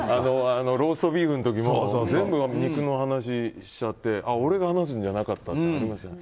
ローストビーフの時も全部肉の話しちゃって俺が話すんじゃなかったってありますよね。